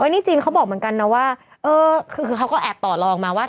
นี่จีนเขาบอกเหมือนกันนะว่าเออคือเขาก็แอบต่อลองมาว่า